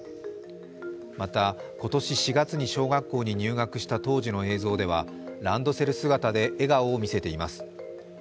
また、今年４月に小学校に入学した当時の映像ではランドセル姿で笑顔を見せています。